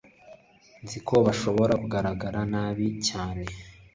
nzi ko bishobora kugaragara nabi cyane